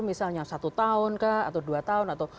misalnya satu tahun kah atau dua tahun atau